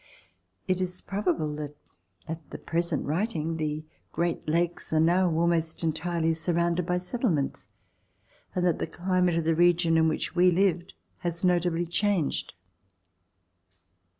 It is probable that at the present writing the Great Lakes are now almost entirely surrounded by settlements, and that the climate of the region in which we lived has notably changed.